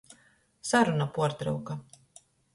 Saruna puortryuka.